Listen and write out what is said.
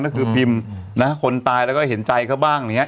ก็คือพิมพ์นะคนตายแล้วก็เห็นใจเขาบ้างอย่างนี้